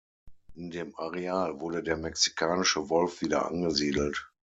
In dem Areal wurde der Mexikanische Wolf wieder angesiedelt.